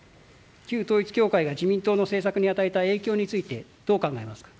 旧統一教会が自民党の政策に与えた影響についてどう考えますか？